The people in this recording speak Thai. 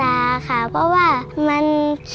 แล้วหนูก็บอกว่าไม่เป็นไรห้าว่างมาหาหนูบ้างนะคะ